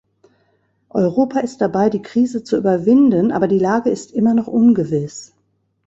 Europa ist dabei, die Krise zu überwinden, aber die Lage ist immer noch ungewiss.